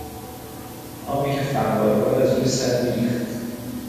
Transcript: آبی که فوارهوار از روی سد میریخت